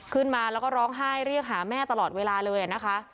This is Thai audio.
ขึ้นมาแล้วก็ร้องไห้เรียกหาแม่ตลอดเวลาเลยนะคะ